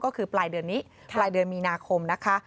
ก็คือปลายเดือนนี้ปลายเดือนมีนาคมนะคะ